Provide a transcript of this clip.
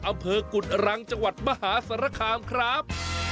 อำเภอกุฎรังจังหวัดมหาสารคามครับ